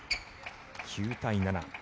９対７。